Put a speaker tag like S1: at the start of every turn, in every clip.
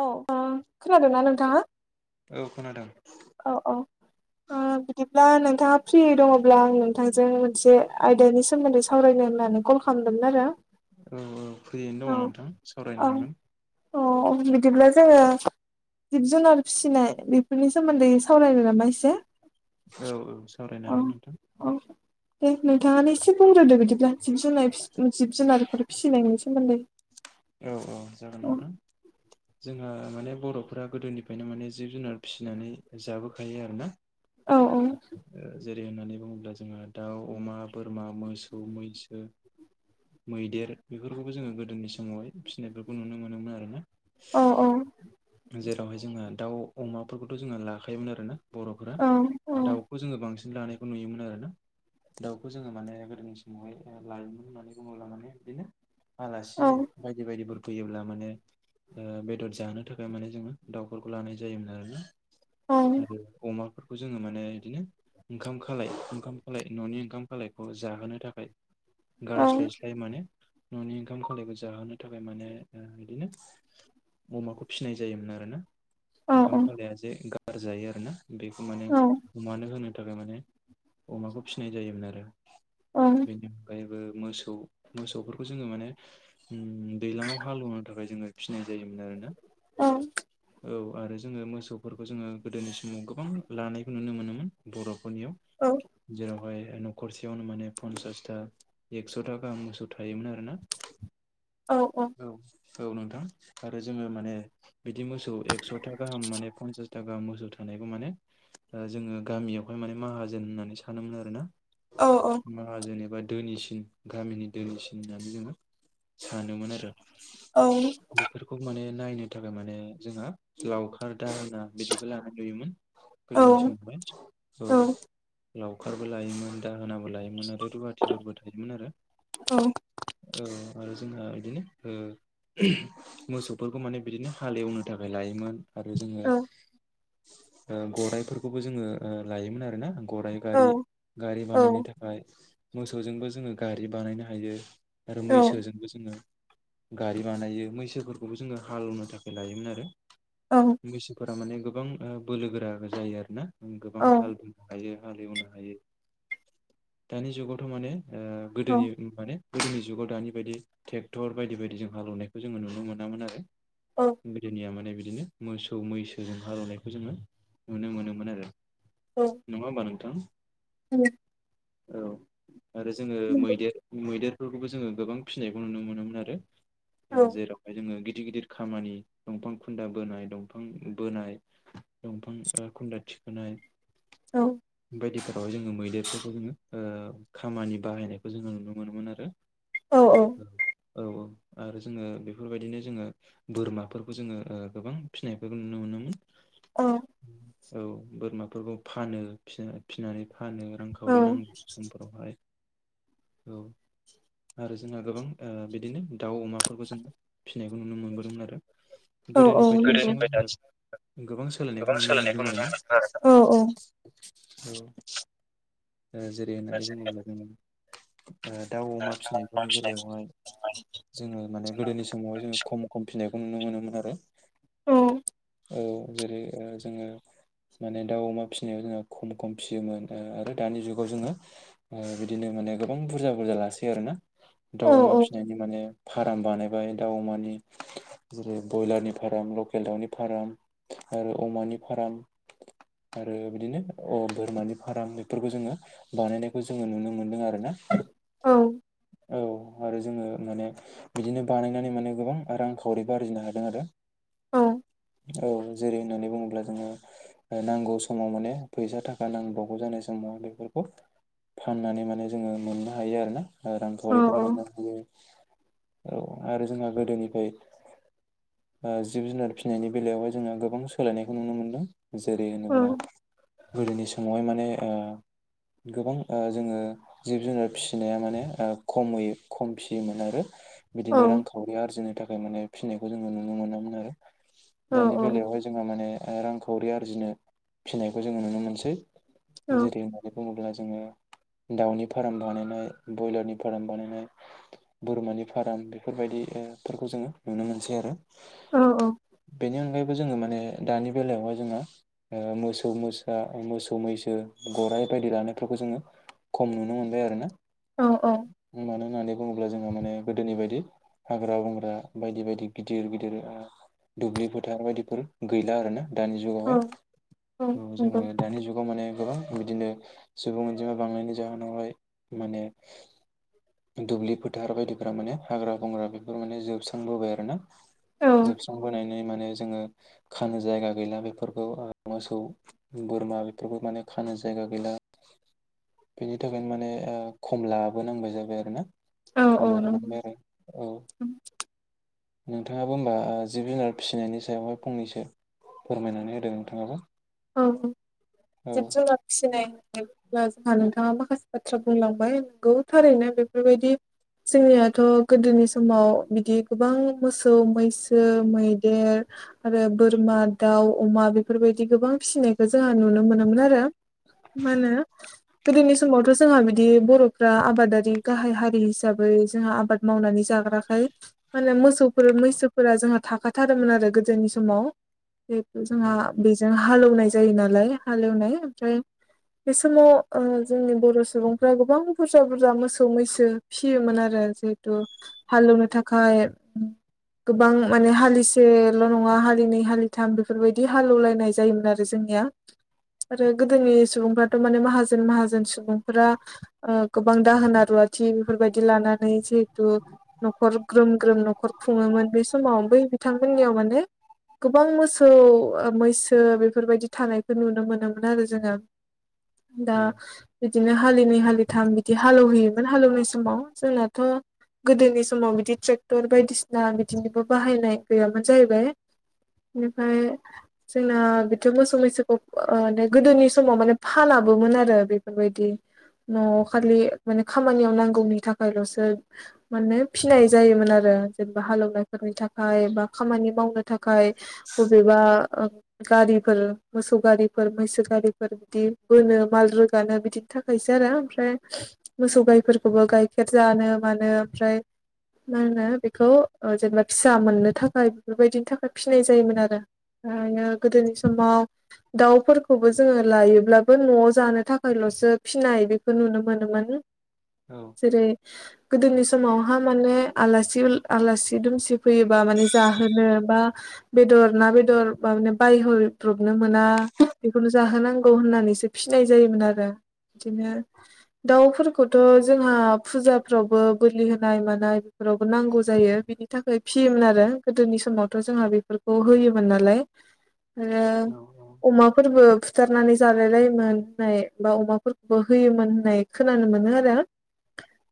S1: औ खोनादोंना नोंथाङा
S2: औ खोनादों
S1: औ औ बिदिब्ला नोंथाङा फ्रि दङब्ला आं नोंथांजों मोनसे आयदानि सोमोन्दै सावरायनो होननानै कल खालामदोंमोन आरो
S2: औ औ फ्रियैनो
S1: औ
S2: दङ नोंथां सावरायनो हागोन
S1: औ अ बिदिब्ला जोङो जिब जुनार फिसिनाय बेफोरनि सोमोन्दै सावरायनो नामा एसे
S2: औ औ सावरायनो
S1: अ
S2: हागोन नोंथां
S1: औ दे नोंथाङानो एसे बुंग्रोदो बिदिब्ला जिब जुनार जिब जुनारफोर फिसिनायनि सोमोन्दै
S2: औ औ जागोन
S1: औ
S2: नोंथां जोंहा माने बर'फोरा गोदोनिफ्रायनो माने जिब जुनार फिसिनानै जाबोखायो आरो ना
S1: औ औ
S2: जेरै होननानै बुङोब्ला जोंहा दाउ अमा बोरमा मोसौ मैसो मैदेर बेफोरखौबो जोङो गोदोनि समावहाय फिसिनायफोरखौ नुनो मोनोमोन आरोना
S1: औ औ
S2: जेरावहाय जोङो दाउ अमाफोरखौथ' जोङो लाखायोमोन आरोना बर'फोरा
S1: औ
S2: दाउखौ जोङो बांसिन लानायखौ नुयोमोन आरोना दाउखौ जोङो माने गोदोनि समावहाय लायोमोन होननानै बुङोब्ला माने बिदिनो
S1: औ
S2: आलासि बायदि बायदिफोर फैयोब्ला माने बेदर जानो थाखाय माने जोङो दाउफोरखौ लानाय जायोमोन आरोना
S1: औ
S2: आरो अमाफोर खौ जोङो माने बिदिनो ओंखाम खालाय ओंखाम खालाय न'नि ओंखाम खालायखौ जाहोनो थाखाय
S1: औ
S2: गारस्लायस्लाय माने न'नि ओंखाम खालायखौ जाहोनो थाखाय माने बिदिनो अमाखौ फिनाय जायोमोन आरो ना
S1: औ
S2: ओंखाम खालाया जे गारजायो आरोना बेखौ माने अमानो होनो थाखाय माने अमाखौ फिनाय जायोमोन आरो
S1: औ
S2: बेनि अनगायैबो मोसौ मोसौफोरखौ जोङो माने दैज्लाङाव हालेवनो थाखाय जोङो फिनाय जायोमोन आरोना
S1: औ
S2: औ आरो जोङो मोसौफोरखौ जोङो गोदोनि समाव गोबां लानायखौ नुनो मोनोमोन बर नियाव जेरावहाय न'खरसेयावनो माने पनसासथा एकस'था गाहाम मोसौ थायोमोन आरो ना।
S1: औ औ।
S2: औ नोंथां आरो जोङो माने बिदि मोसौ एकस'था गाहाम माने पन्सासथा गाहाम मोसौ था थानाय माने जोङो गामियावहाय माने माहाजोन होननानै सानोमोन
S1: औ औ
S2: आरोना जेनेबा धोनिसिन गामिनि धोनिसिन होननानै जोङो सानोमोन आरो
S1: औ
S2: बेफोरखौ माने नायनो थाखाय माने जोंहा लावखार दा आंना बिदिखौ लानानै लुयोमोन
S1: औ
S2: गोदोनि समावहाय औ। लावखारबो लायोमोन दा दाहोनाबो लायोमोन आरो रुवाथिफोरबो थायोमोन आरो औ। आरो जोंहा बिदिनो मोसौफोरखौ माने बिदिनो हालेवनो थाखाय लायोमोन आरो जोङो गराइफोरखौबो जोङो लायोमोन आरोना। गराइ
S1: औ
S2: गारि गारि बानायनो थाखाय मोसौजोंबो जोङो गारि बानायनो हायो। आरो मैसोजों जोङो गारि बानायो मैसोफोरखौबो जोङो हालेवनो थाखाय लायोमोन आरो
S1: औ
S2: मैसोफोरा माने गोबां बोलोगोरा जायो आरो ना गोबां
S1: औ
S2: हाल बोनो हायो। हालेवनो हायो दानि जुगावथ' माने गोदोनि माने गोदोनि जुगाव दानि बायदि ट्रेक्टर बायदि बायदि जों हालेवनायखौ जोङो नुनो मोनामोन आरो
S1: औ
S2: गोदोनिया माने बिदिनो मोसौ मैसोजों हालेवनायखौ जोङो नुनो मोनोमोन आरो। नङा होनबा नोंथां?
S1: उम।
S2: औ आरो जोङो मैदेर मैदेरफोरखौबो जोङो गोबां फिसिनायखौ नुनो मोनोमोन आरो
S1: औ
S2: जेरावहाय जोङो गिदिर गिदिर खामानि दंफां खुन्दा बोनाय दंफां बोनाय दंफां खुन्दा थिखो नाय
S1: औ।
S2: बायदिफोरावहाय जोङो मैदेरफोरखौ जोङो ओ खामानि बाहायनायखौ जोङो नुनो मोनोमोन आरो औ। औ औ आरो जोङो बेफोरबायदिनो जोङो बोरमाफोरखौ जोङो गोबां फिनायफोरखौ नुनो मोनोमोन।
S1: औ।
S2: औ बोरमाफोरखौ फानो फिनानै फिनानै फानो रांखावरि नांगौ समफोरावहाय औ आरो जोंहा गोबां ओ बिदिनो दाउ, अमाफोरखौ जोङ फिसिनायखौ नुनो मोनबोदोंमोन आरो
S1: औ औ।
S2: गोदोनिफ्राय दासिमाव जोङो
S1: गोबां सोलायनायखौ नुनो मोनदों आरोना।
S2: औ जेरै होननानै बुङोब्ला जोङो दाउ, अमा फिसिनायफोरनि बेलायावहाय जोङो माने गोदोनि समावहाय जोङो खम खम नायखौ नुनो मोनोमोन आरो
S1: औ।
S2: औ जेरै ओ जोङो माने दाउ, अमा फिसिनायाव जोंहा खम खम फिसियोमोन आरो दानि जुगाव जोङो ओ बिदिनो माने गोबां बुरजा बुरजा लासै आरो ना दाउ, अमा फिसिनायनि माने फार्म बानायबाय दाउ, अमानि जेरै ब्रयलारनि फार्म, लकेल दाउनि फार्म, आरो अमानि फार्म आरो बिदिनो अह बोरमानि फार्म बेफोरखौ जोङो बानायनायखौ जोङो नुनो मोनदों आरो ना। औ आरो जोङो माने बिदिनो बानायनानै माने गोबां रांखावरि आरजिनो हादों आरो।
S1: औ।
S2: औ जेरै होननानै बुङोब्ला जोङो नांगौ समाव माने फैसा थाखा नांबावगौ जानाय सम बेफोरखौ फाननानै माने जोङो मोननो हायो आरो ना। रांखावरिफोर मोननो हायो औ आरो जोंहा गोदोनिफ्राय ओ जिब जुनार फिसिनायनि बेलायावहाय जोङो गोबां सोलायनायखौ नुनो मोनदों। जेरै होनोब्ला गोदोनि समावहाय माने ओ गोबां ओ जोङो जिब जुनार फिसिनाया माने ओ खम यै खम फियोमोन आरो बिदिनो रांखावरि आरजिनो थाख माने फिसिनायखौ जोङो नुनो मोनामोन आरो दानि बेलायावहाय जोंहा माने ओ रांखावरि आरजिनो फिनायखौ जोङो नुनो मोनसै जेरै होननानै बुङोब्ला जोङो दाउनि फाराम बानायनाय बयलारनि फार्म बानायनाय बोरमानि फार्म बेफोरबायदिफोरखौ जोङो नुनो मोनसै आरो। बेनि अनगायैबो जोङो माने दानि बेलायावहाय जोङो ओ मोसौ मोसा मोसौ मैसो गराइ बायदि लानो जोङो खम नुनो मोनबाय आरोना। मानो होननानै बुङोब्ला जोंहा माने गोदोनि बायदि हाग्रा बंग्रा बायदि बायदि गिदिर गिदिर दुब्लि फोथार बायदिफोर गैला आरोना। दानि जुगावहाय थ' जोङो दानि जुगाव माने गोबां बिदिनो सुबुं अनजिमा बांनायनि जाहोनावहाय माने दुब्लि फोथार बायदिफोरा माने हाग्रा बंग्रा बेफोर माने जोबस्रांबोबाय आरोना। जोबस्रांबोनायनि माने जोङो खानो जायगा गैला बेफोरखौ ओ मोसौ बोरमा बेफोरखौ माने खा नो जायगा गैला।
S1: [inaudible]
S2: बेनि थाखायनो माने ओ खम लाबोनांबाय जाबाय आरोना खम
S1: नंगौ
S2: लानानै आरो औ। नोंथाङाबो होमबा जिब जुनार फिसिनायनि सायावहाय फंनैसो। फोरमायनानै होदो नोंथांङाबो।
S1: औ जिब जुनार फिनाय [unintelligible] ओ नोंथांङा माखासे बाथ्रा बुंलांबाय नोंगौ थारैनो बेफोरबायदि जोंनियाथ' गोदोनि समाव बिदि गोबां मोसौ मैसो मैदेर आरो बोरमा दाउ अमा बेफोरबायदि गोबां फिनायखौ जोंहा नुनो मोनोमोन आरो। मा होनो गोदोनि समावथ' जोंहा बिदि बर'फ्रा आबादारि गाहाय हारि हिसाबै बै जोंहा आबाद मावनानै जाग्राखाय माने मोसौफोर मैसोफोरा जोंहा थाखाथारोमोन आरो गोदो। जोंनि समाव बे जोंहा
S2: औ
S1: बेजों हालौनाय जायो नालाय हालेवनाय ओमफ्राय बे समाव ओ जोंनि बर' सुबुंफ्रा गोबां बुरजा बुरजा मोसौ मैसो फिसियोमोन आरो। ओ जिथु हालेवनो थाखाय गोबां माने हालिसेल' नङा हालिनै हालिथाम बेफोरबायदि हालेवलायनाय जायोमोन आरो जोंनिया। आरो गोदोनि सुबुंफ्राथ' माने माहाजोन माहाजोन सुबुंफोरा ओ गोबां दाहोना रुवा थि बेफोरबायदि लानानै जिहेतु न'खर ग्रोम ग्रोम न'खर खुङोमोन बे समाव बै बिथांमोननियाव माने गोबां मोसौ मैसो सो बेफोरबायदि थानायखौ नुनो मोनोमोन आरो जोङो दा
S2: उम
S1: बिदिनो हालिनै हालिथाम बिदि हालेवहैयोमोन हालेवनाय समाव जोंनाथ' गोदोनि समाव बिदि ट्रेक्टर बायदिसिना बिदिनोबो बाहायनाय गैयामोन जाहैबाय। बेनिफ्राय जोंना बिदिथ' मोसौ मैसोखौे गोदोनि समाव माने फानाबोमोन आरो बेफोरबायदि। न'आव खालि माने खामानियाव नांगौनि थाखायल'सो माने फिनाय जायोमोन आरो। जेनेबा हालेवनायफोरनि थाखाय बा खामानि मावनो थाखाय बबेबा गारिफोर मोसौ गारिफोर मैसो गारिफोर बिदि बोनो माल रोगानो बिदिनि थाखायसो। आरो ओमफ्राय मोसौ गाइफोरखौबो गाइखेर जानो मानो ओमफ्राय मा होनो बेखौ जेनेबा फिसा मोननो थाखाय बेफोरबायदिनि थाखाय फिनाय जायोमोन आरो। [unintelligible] गोदोनि समाव दाउफोरखौबो जोङो लायोब्लाबो न'आव जानो थाखायल'सो फिनाय बेदिखो नुनो मोनोमोन।
S2: औ औ
S1: जेरै गोदोनि स समावहा माने आलासि आलासि दुमसि फैयोबा जाहोनो बा बे बेदर ना बेदर माने बायहरब्रबनो मोना बेखौनो जाहोनांगौ होननानैसो फिनाय जायोमोन आरो। बिदिनो दाउफोरखौथ' जोंहा फुजाफ्रावबो बोलि होनाय मानाय फोरावबो नांगौ जायो। बिनि थाखाय फियोमोन आरो गोदोनि समावथ' जोंहा बेफोरखौ होयोमोन नालाय।
S2: औ
S1: ओ अमाफोरबो फुथारनानै जालायलायोमोन होननाय बा अमाफोरखौबो होयोमोन होननाय खोनानो मोनो आरो।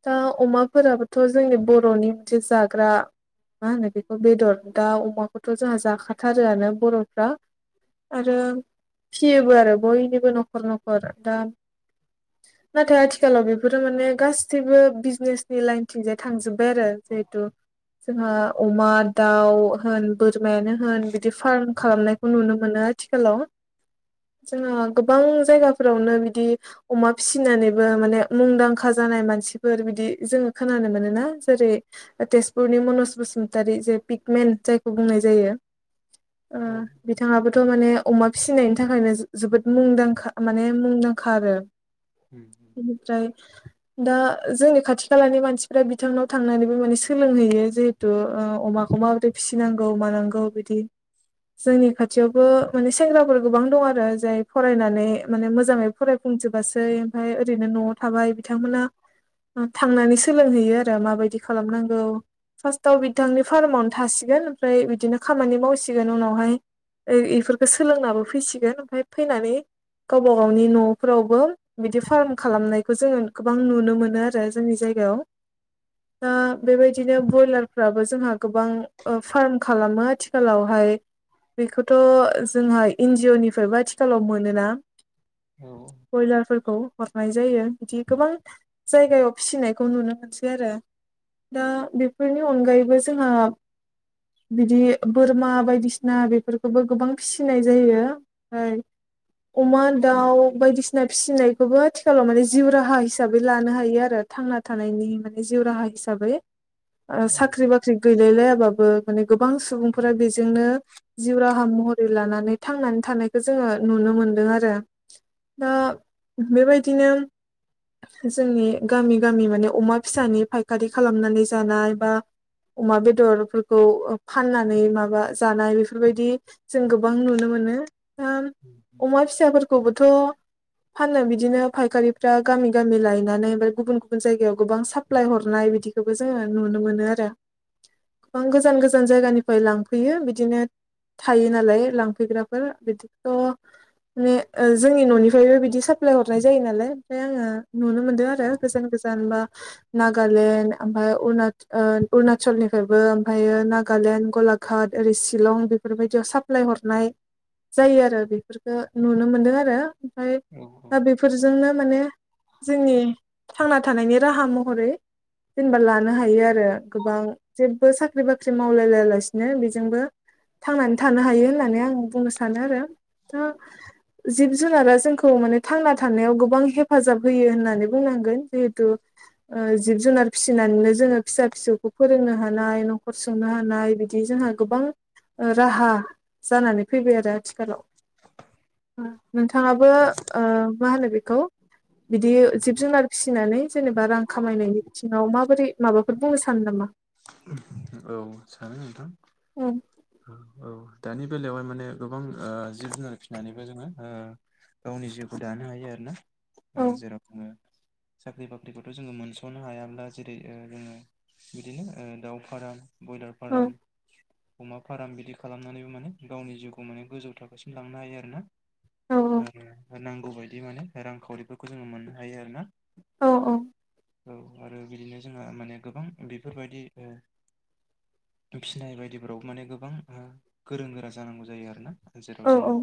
S1: दा अमाफोराबोथ' जोंनि बर'नि मोनसे जाग्रा मा होनो बेखौ बेदर दा अमाखौथ' जोंहा जाखाथारोआनो बर'फ्रा। आरो फियोबो आरो बयनिबो न'खर न'खर दा नाथाय आथिखालाव बेफोरो माने गासैबो बिजनेसनि लाइनथिंजाय थांजोब बाय आरो जिहेथु जोंहा अमा, दाउ होन बोरमायानो होन बिदि फार्म खालामनायखौ नुनो मोनो आथिखालाव। जोंहा गोबां जायगाफोरावनो बिदि अमा फिसिनानैबो माने मुंदांखा जा जानाय मानसिफोर बिदि जोङो खोनानो मोनोना जेरै तेजपुरनि मनुज बसुमतारी जे फिग मेन जायखौ बुंनाय जायो। ओ
S2: औ
S1: बिथांआबोथ' माने अमा फिसिनायनि थाखायनो जो-जोबोद मुंदांखा माने मुंदांखा आरो।
S2: उम उम
S1: बिनिफ्राय दा जोंनि खाथि खालानि मानसिफ्रा बिथांनाव थांनानैबो माने सोलोंहैयो जिहेथु ओ अमाखौ माबोरै फि फिनांगौ मानांगौ बिदि जोंनि खाथियावबो माने सेंग्राफोर गोबां दं आरो जाय फरायनानै माने मोजाङै फराय फुंजोबासै ओमफ्राय ओरैनो न'आव थाबाय बिथांमोना थांनानै सोलोंहैयो आरो माबायदि खालामनांगौ फार्स्टआव बिथांनि फार्मावनो थासिगोन ओमफ्राय बिदिनो खामानि मावसिगोन। उनावहाय ऐ इफोरखौ सोलोंनाबो फैसिगोन। ओमफाय फैनानै गावबा गावनि न'फोरावबो बिदि फार्म खालामनायखौ जोङो गोबां नुनो मोनो आरो जोंनि जायगा याव। दा बेबायदिनो ब्यलारफ्राबो जोंहा गोबां फार्म खालामो आथिखालाव। फाय बेखौथ' जोंहा एन जि अ' निफ्रायबो आथिखालाव मोनोना
S2: औ
S1: बयलारफोरखौ नाय जायो। बिदि गोबां जायगायाव फिसिनायखौ नुनो मोनसै आरो। दा बेफोरनि अनगायैबो जोंहा बिदि बोरमा बायदिसिना बेफोरखौबो गोबां फिसिनाय जायो। ओय अमा, दाउ बायदिसिना फिसिनायखौबो आथिखालाव माने जिउ राहा हिसाबै लानो हायो आरो। थांना थानायनि माने जिउ राहा हिसाबै ओ
S2: औ
S1: साख्रि बाख्रि गैलायलायाबाबो माने गोबां सुबुंफोरा बेजों नो जिउ राहा महरै लानानै थांनानै थानायखौ जोङो नुनो मोनदों आरो। दा बेबायदिनो जोंनि गामि गामि माने अमा फिसानि फायखारि खालामनानै जानाय बा अमा बेदरफोरखौ फाननानै माबा जानाय बेफोरबायदि जों गोबां नुनो मोनो। हाम अमा फिसाफोरखौबोथ' फाननो बिदिनो फायखारिफ्रा गामि गामि लायनानै ओमफ्राय गुबुन गुबुन जायगायाव गोबां साप्लाय हरनाय नाय बिदिखौबो जोङो नुनो मोनो आरो। गोबां गोजान गोजान जायगानिफ्राय लांफै फैयो बिदिनो थायो नालाय लांफैग्राफोर बिदिथ' माने जोंनि न'निफ्रायबो बिदि साप्लाय हरनाय जायो नालाय। ओमफ्राय आङो नुनो मोनदों आरो गोजान गोजान बा नागालेण्ड, अरुणचलनिफ्रायबो ओमफ्रायो नागालेण्ड गलाघात ओरै शिलं बेफोरबायदियाव साप्लाय हरनाय। जायो आरो। बेफोरखौ नुनो मोनदों। ओमफ्राय
S2: औ
S1: दा बेफोरजोंनो माने जोंनि थांना थानायनि राहा महरै जेनेबा लानो हायो। आरो गोबां जेबो साख्रि बाख्रि मावलाय लायालासिनो बि बेजोंबो थांनानै थानो हायो होननानै आं बुंनो सानो। आरो दा जिब जुनारा जोंखौ माने थांना थानायाव गोबां हेफाजाब होयो होननानै बुंनांगोन। जिहेतु जिब जुनार फिसिनानैनो जोङो फिसा फिसौखौ फोरोंनो हानाय न'खर सुंनो हानाय बिदि जोंहा गोबां राहा जानानै फैबाय आरो आथिखालाव। नोंथाङाबो मा होनो बेखौ बिदि जिब जुनार फिसिनानै जेनेबा रां खामायनायनि बिथिङाव माबोरै माबाफोर बुंनो सानो नामा?
S2: औ सानो नोंथां।
S1: औ
S2: औ दानि बेलायावहाय माने गोबां जिब जुनार फिसिनानैबो जोङो गावनि जिउखौ दानो हायो। आरो
S1: औ
S2: जेराव बुङो साख्रि बाख्रिखौथ' जोङो मोनस'नो हायाब्ला जेरै ओ जोङो बिदिनो ओ दाउ फार्म ब्रयलार
S1: औ
S2: फाराम अमा फार्म बिदि खालामनानैबो माने गावनि जिउखौ माने गोजौ थाखोसिम लांनो हायो आरो ना
S1: औ
S2: आरो नांगौ बायदि माने रांखावरिफोरखौ जोङो मोननो हायो आरो ना
S1: औ औ
S2: औ आरो बिदिनो जोंहा माने गोबां बेफोरबायदि ओ फिनायबायायदि फोराव माने गोबां ओ गोरों गोरा जानांगौ जायो आरोना
S1: औ
S2: जेराव
S1: औ
S2: जोङो